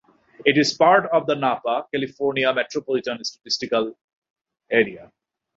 It is part of the Napa, California Metropolitan Statistical Area.